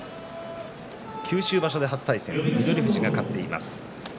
九州場所で初対戦翠富士が勝っています。